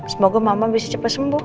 semoga mama bisa cepat sembuh